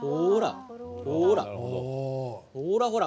ほらほら。